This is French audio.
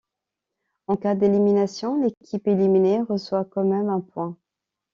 En cas d'élimination, l'équipe éliminée reçoit quand même un point.